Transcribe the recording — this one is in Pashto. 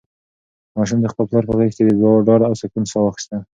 ماشوم د خپل پلار په غېږ کې د ډاډ او سکون ساه واخیسته.